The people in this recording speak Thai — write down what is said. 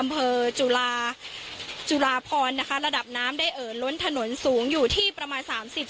อำเภอจุลาจุลาพรนะคะระดับน้ำได้เอ่อล้นถนนสูงอยู่ที่ประมาณสามสิบ